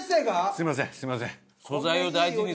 すいませんすいません。